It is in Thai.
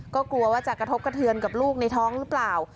ก็กลัวว่าจะกระทบกระเทือนกับลูกในท้องหรือเปล่า